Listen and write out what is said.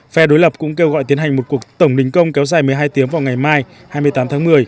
phe đối lập cũng kêu gọi tiến hành một cuộc tổng đình công kéo dài một mươi hai tiếng vào ngày mai hai mươi tám tháng một mươi